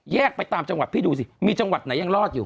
ไปตามจังหวัดพี่ดูสิมีจังหวัดไหนยังรอดอยู่